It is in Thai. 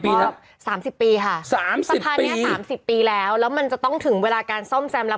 ๓๐ปีแล้วสะพานนี้๓๐ปีแล้วแล้วมันระเด้นจะต้องถึงเวลาการส้อมแซมแล้ว